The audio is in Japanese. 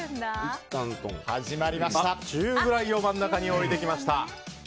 中くらいを真ん中に置いてきました。